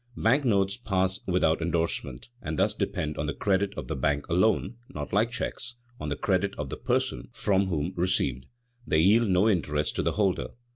Bank notes pass without endorsement and thus depend on the credit of the bank alone, not like checks, on the credit of the person from whom received. They yield no interest to the holder.